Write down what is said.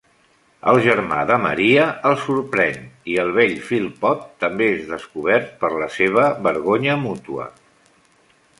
El germà de Maria els sorprèn, i el vell Philpot també és descobert, per la seva vergonya mútua.